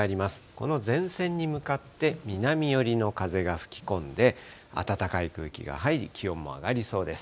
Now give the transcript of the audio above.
この前線に向かって、南寄りの風が吹き込んで、暖かい空気が入り、気温も上がりそうです。